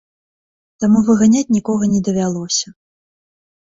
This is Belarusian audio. Таму выганяць нікога не давялося.